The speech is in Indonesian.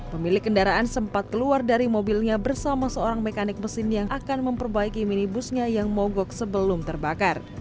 pemilik kendaraan sempat keluar dari mobilnya bersama seorang mekanik mesin yang akan memperbaiki minibusnya yang mogok sebelum terbakar